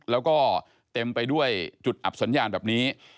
แล้วก็เต็มไปด้วยจุดอับสัญญาณแบบนี้